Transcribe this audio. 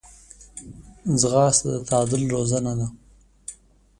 ځغاسته د تعادل روزنه ده